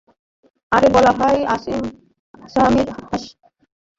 রায়ে বলা হয়, আসামির হাজতবাসের সময় সাজার মেয়াদ থেকে বাদ যাবে।